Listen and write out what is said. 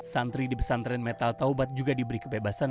santri di pesantren metal taubat juga diberi kebebasan